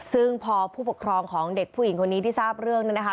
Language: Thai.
ซึ่งพอผู้ปกครองของเด็กผู้หญิงคนนี้ที่ทราบเรื่องนะคะ